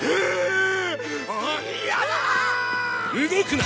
動くな！